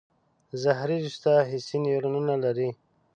ظهري رشته حسي نیورونونه لري.